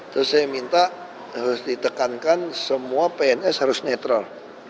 terus saya minta harus ditekankan semua pns harus netral